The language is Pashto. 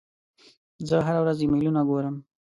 زه هره ورځ ایمیلونه ګورم.